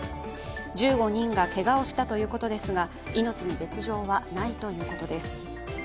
１５人がけがをしたということですが、命に別状はないということです